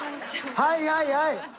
はいはいはい。